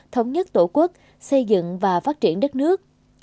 thống nhất tổ quốc xây dựng và phát triển đất nước